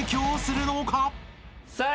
さあ